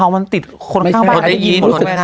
มันติดคนข้างบ้าน